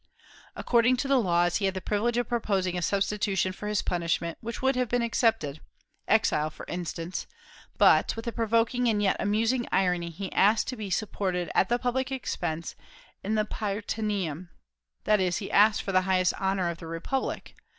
According to the laws he had the privilege of proposing a substitution for his punishment, which would have been accepted, exile for instance; but, with a provoking and yet amusing irony, he asked to be supported at the public expense in the Prytaneum: that is, he asked for the highest honor of the republic.